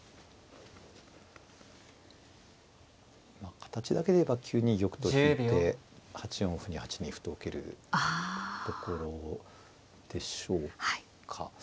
形だけで言えば９二玉と引いて８四歩に８二歩と受けるところでしょうか。